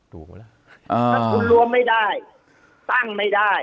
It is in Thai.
ถ้าคุณรวมไม่ได้ตั้งไม่ได้